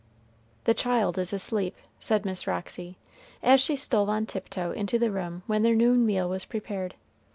"The child is asleep," said Miss Roxy, as she stole on tiptoe into the room when their noon meal was prepared.